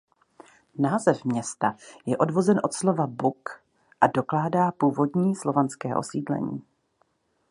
Název města je odvozen od slova buk a dokládá původní slovanské osídlení.